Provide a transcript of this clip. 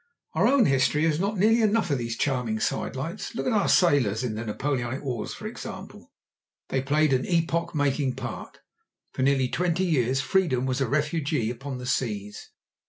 Our own history has not nearly enough of these charming sidelights. Look at our sailors in the Napoleonic wars, for example. They played an epoch making part. For nearly twenty years Freedom was a Refugee upon the seas.